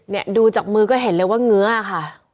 ดูจากมือก็เห็นเลยว่าเงื้อค่ะ